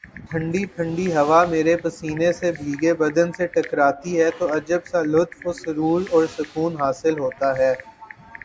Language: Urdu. ٹھنڈی ٹھنڈی ہوا میرے پسینے سے بھیگے بدن سے ٹکراتی ہے تو عجب سا لطف و سرو ر اور سکون حاصل ہوتا ہے